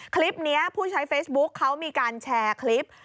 คลิปนี้ผู้ใช้เฟซบุ๊คเขามีการแชร์คลิป